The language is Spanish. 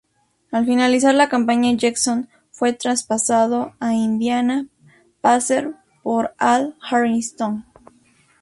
Al finalizar la campaña, Jackson fue traspasado a Indiana Pacers por Al Harrington.